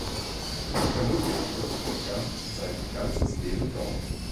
Vermutlich wirkte er sein ganzes Leben dort.